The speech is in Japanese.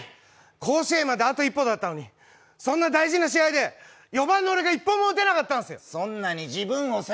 甲子園まであと一歩だったのにそんな大事な試合で４番の俺が１本も打てなかったんですよ。